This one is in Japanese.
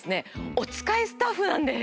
おつかいスタッフなんです！